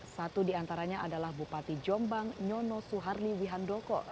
satu diantaranya adalah bupati jombang nyono suharli wihandoko